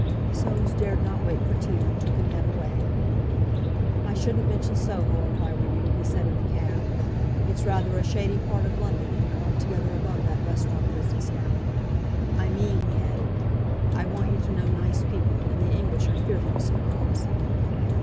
Soames dared not wait for tea, and took Annette away. "I shouldn't mention Soho if I were you," he said in the cab. "It's rather a shady part of London; and you're altogether above that restaurant business now; I mean," he added, "I want you to know nice people, and the English are fearful snobs."